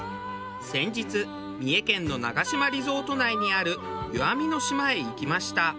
先日三重県のナガシマリゾート内にある湯あみの島へ行きました。